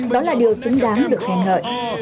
đó là điều xứng đáng được khen ngợi